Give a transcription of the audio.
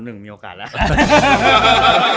เออ๙๐๑มีโอกาสแล้ว